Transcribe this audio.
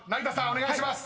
お願いします］